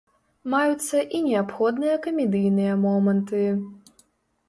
Маюцца і неабходныя камедыйныя моманты.